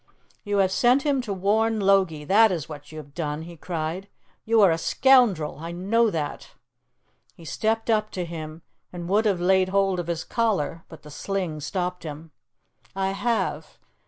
"You have sent him to warn Logie that is what you have done!" he cried. "You are a scoundrel I know that!" He stepped up to him, and would have laid hold of his collar, but the sling stopped him. "I have.